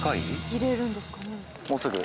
入れるんですかね？